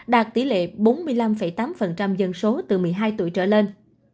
đạt tỷ lệ bốn mươi năm tám dân số từ một mươi hai tuổi trở lên